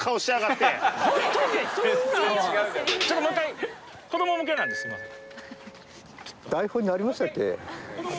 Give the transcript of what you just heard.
ちょっともう一回子ども向けなんですいません